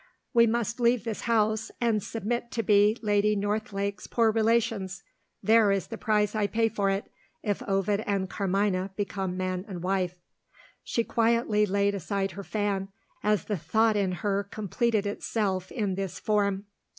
"We must leave this house, and submit to be Lady Northlake's poor relations there is the price I pay for it, if Ovid and Carmina become man and wife." She quietly laid aside her fan, as the thought in her completed itself in this form.